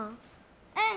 うん。